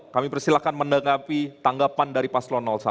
kami persilahkan menanggapi tanggapan dari paslon satu